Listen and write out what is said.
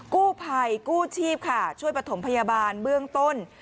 กู้ภัยกู้ชีพค่ะช่วยประถมพยาบาลเบื้องต้น